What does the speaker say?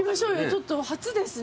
ちょっと初ですね。